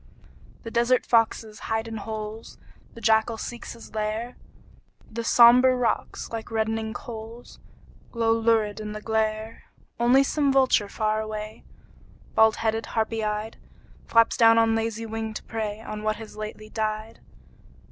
The desert foxes hide in holes, The jackal seeks his lair; The sombre rocks, like reddening coals, Glow lurid in the glare. Only some vulture far away, Bald headed, harpy eyed, Flaps down on lazy wing to prey On what has lately died.